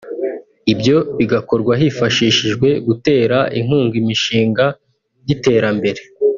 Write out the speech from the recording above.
ibyo bigakorwa hifashishijwe gutera inkunga imishinga y’iterambere